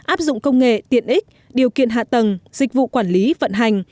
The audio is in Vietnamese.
áp dụng công nghệ tiện ích điều kiện hạ tầng dịch vụ quản lý vận hành